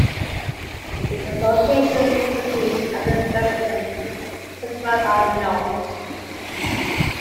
This association continued after Benetton was acquired by Renault.